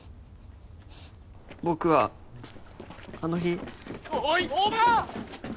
僕はあの日おい大庭！